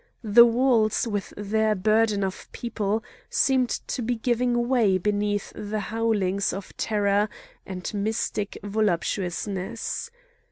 The walls, with their burden of people, seemed to be giving way beneath the howlings of terror and mystic voluptuousness.